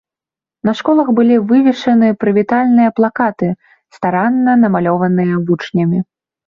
На школах былі вывешаны прывітальныя плакаты, старанна намалёваныя вучнямі.